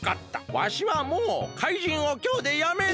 わしはもうかいじんをきょうでやめる！